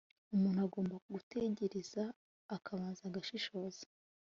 Umuntu agomba gutegereza akabanza agashishoza